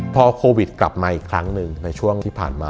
พอโควิดกลับมาอีกครั้งหนึ่งในช่วงที่ผ่านมา